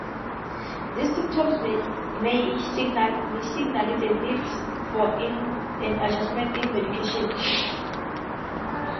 These symptoms may signal the need for an adjustment in medication.